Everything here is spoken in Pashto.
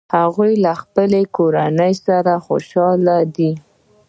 هغوی له خپلې کورنۍ سره خوشحاله دي